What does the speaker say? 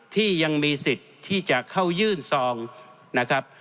ที่ยังมีสิทธิ์ที่จะเข้ายื่นซองนะครับ